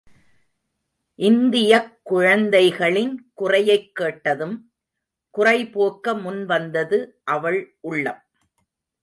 இந்தியக், குழந்தைகளின் குறையைக் கேட்டதும் குறைபோக்க முன் வந்தது அவள் உள்ளம்.